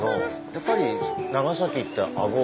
やっぱり長崎ってアゴ。